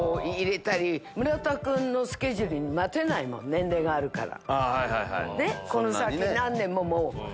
年齢があるから。